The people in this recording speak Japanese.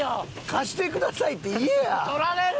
「貸してください」って言えや！